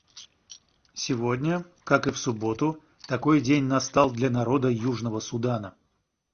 Сегодня, как и в субботу, такой день настал для народа Южного Судана.